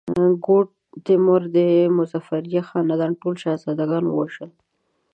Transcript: ګوډ تیمور د مظفریه خاندان ټول شهزاده ګان ووژل.